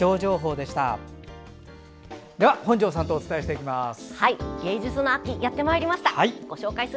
では本庄さんとお伝えしていきます。